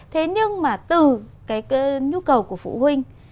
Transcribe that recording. thế nhưng mà từ cái nhu cầu của phụ huynh